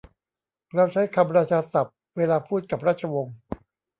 เราใช้คำราชาศัพท์ เวลาพูดกับราชวงศ์